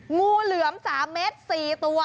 งูเหลือม๓เมตร๔ตัว